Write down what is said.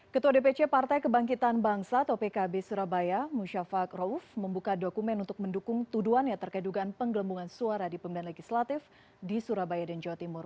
ketua dpc partai kebangkitan bangsa atau pkb surabaya musyafak rauf membuka dokumen untuk mendukung tuduhannya terkait dugaan penggelembungan suara di pemilihan legislatif di surabaya dan jawa timur